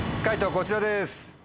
こちらです。